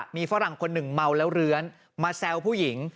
มีฝรั่งคนหนึ่งเมาแล้วเลื้อนมาแซวผู้หญิง